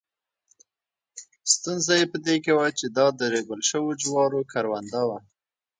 ستونزه یې په دې کې وه چې دا د ریبل شوو جوارو کرونده وه.